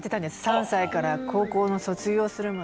３歳から高校卒業するまで。